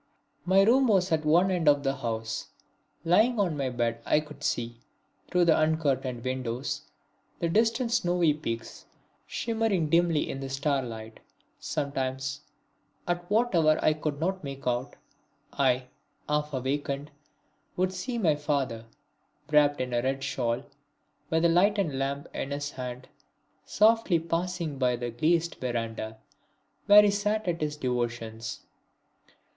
My room was at one end of the house. Lying on my bed I could see, through the uncurtained windows, the distant snowy peaks shimmering dimly in the starlight. Sometimes, at what hour I could not make out, I, half awakened, would see my father, wrapped in a red shawl, with a lighted lamp in his hand, softly passing by to the glazed verandah where he sat at his devotions.